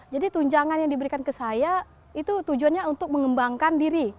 tunjangan yang diberikan ke saya itu tujuannya untuk mengembangkan diri